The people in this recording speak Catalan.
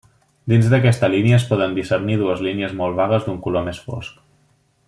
Dins d'aquesta línia es poden discernir dues línies molt vagues d'un color més fosc.